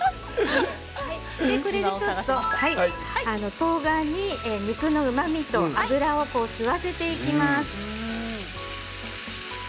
とうがんに肉のうまみと脂を吸わせていきます。